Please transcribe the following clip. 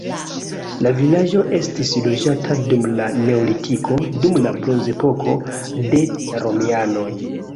La vilaĝo estis loĝata dum la neolitiko, dum la bronzepoko, de romianoj.